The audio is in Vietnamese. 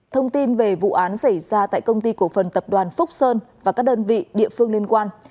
thông tin về vụ án xảy ra tại công ty cổ phần tập đoàn phúc sơn và các đơn vị địa phương liên quan